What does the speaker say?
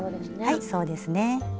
はいそうですね。